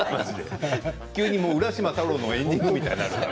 急に浦島太郎のエンディングみたいな。